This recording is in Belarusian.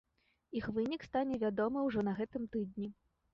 Іх вынік стане вядомы ўжо на гэтым тыдні.